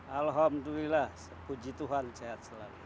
alhamdulillah puji tuhan sehat selalu